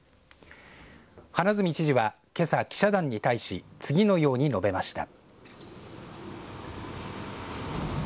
花角知事は、けさ記者団に対し次のように述べました。